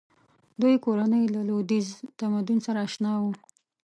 دوی کورنۍ له لویدیځ تمدن سره اشنا وه.